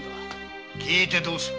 聞いてどうする？